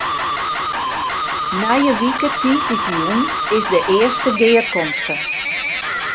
Nije wike tiisdeitejûn is de earste gearkomste.